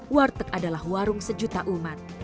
warteg adalah warung sejuta umat